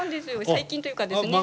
最近というかですね。